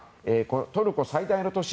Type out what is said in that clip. トルコ最大の都市